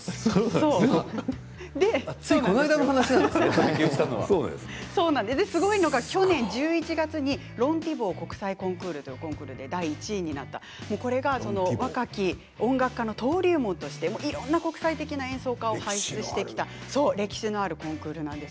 すごいのは去年の１１月にロン・ティボー国際コンクールというコンクールで第１位になってこれが若き音楽家の登竜門としていろんな国際的名演奏家を輩出してきた歴史のあるコンクールなんです。